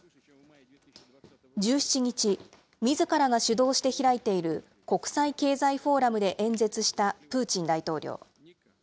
１７日、みずからが主導して開いている国際経済フォーラムで演説したプーチン大統領。